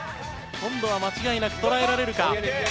今度は間違いなく捉えられるか？